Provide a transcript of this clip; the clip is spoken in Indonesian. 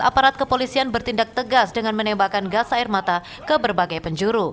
aparat kepolisian bertindak tegas dengan menembakkan gas air mata ke berbagai penjuru